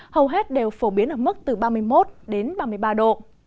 hầu hết đều phổ biến ở mức từ ba mươi một đến ba mươi ba độ